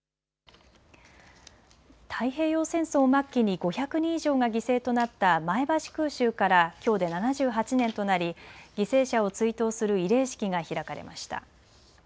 太平洋戦争末期に５００人以上が犠牲となった前橋空襲からきょうで７８年となり犠牲者を追悼する慰霊式が開かれました。